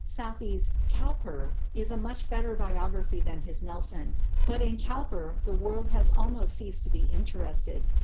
Southey's "Cowper" is a much better biography than his "Nelson," but in Cowper the world has almost ceased to be interested.